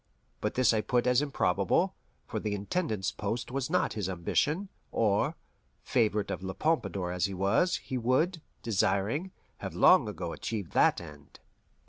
But this I put by as improbable, for the Intendant's post was not his ambition, or, favourite of La Pompadour as he was, he would, desiring, have long ago achieved that end.